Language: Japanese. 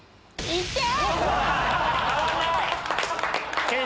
いいって！